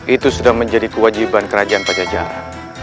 itu sudah menjadi kewajiban kerajaan pajajaran